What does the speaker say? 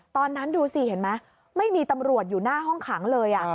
ตอนนั้นดูสิเห็นไหมไม่มีตำรวจอยู่หน้าห้องขังเลย